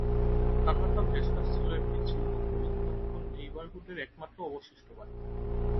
কান্নাটা ভেসে আসছিল একটি জীর্ণ পরিত্যক্ত নেইবারহুডের একমাত্র অবশিষ্ট বাড়ি থেকে।